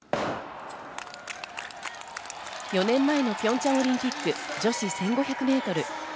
４年前のピョンチャンオリンピック女子１５００メートル。